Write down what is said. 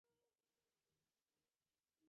আমি এটার সাথে পরিচিত নই।